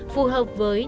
phù hợp với